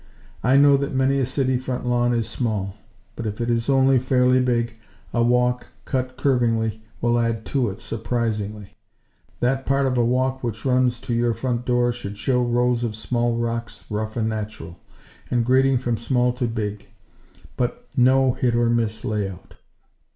I know that many a city front lawn is small; but, if it is only fairly big, a walk, cut curvingly, will add to it, surprisingly. That part of a walk which runs to your front door could show rows of small rocks rough and natural; and grading from small to big; but no 'hit or miss' layout.